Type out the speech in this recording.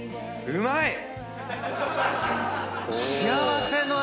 うまい！